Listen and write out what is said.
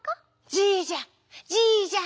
「じいじゃじいじゃ」。